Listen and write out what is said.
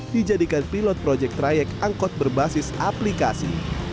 dijadikan pilot proyek trayek angkot berbasis aplikasi